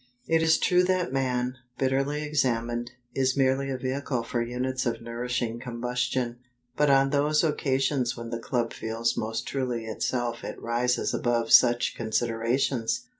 It is true that Man, bitterly examined, is merely a vehicle for units of nourishing combustion; but on those occasions when the Club feels most truly Itself it rises above such considerations.